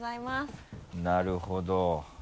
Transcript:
なるほど。